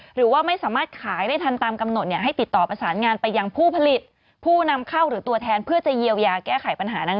หรือว่าไม่สามารถขายได้ทันตามกำหนดให้ติดต่อประสานงานไปยังผู้ผลิตผู้นำเข้าหรือตัวแทนเพื่อจะเยียวยาแก้ไขปัญหานั้น